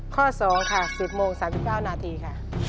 ข้อ๒ค่ะ๑๐โมง๓๙นาทีค่ะ